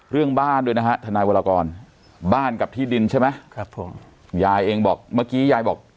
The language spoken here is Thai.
เรื่องบ้านด้วยนะฮะทนายวรกรบ้านกับที่ดินใช่ไหมครับผมยายเองบอกเมื่อกี้ยายบอก